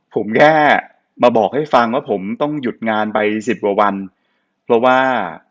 ผมแค่มาบอกให้ฟังว่าผมต้องหยุดงานไปสิบกว่าวันเพราะว่า